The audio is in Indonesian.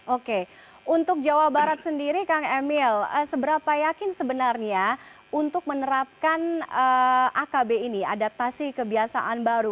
oke untuk jawa barat sendiri kang emil seberapa yakin sebenarnya untuk menerapkan akb ini adaptasi kebiasaan baru